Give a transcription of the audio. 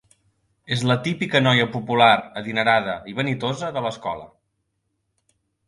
És la típica noia popular, adinerada i vanitosa de l'escola.